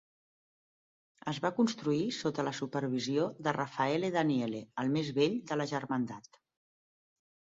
Es va construir sota la supervisió de Raffaele Daniele, el més vell de la germandat.